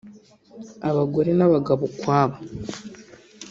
abagore n’abagabo ukwabo)